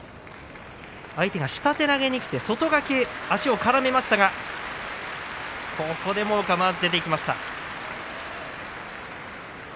相手が下手投げに来て外掛け足を絡めましたがここでもう、かまわず出ていきました。